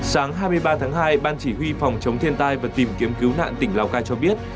sáng hai mươi ba tháng hai ban chỉ huy phòng chống thiên tai và tìm kiếm cứu nạn tỉnh lào cai cho biết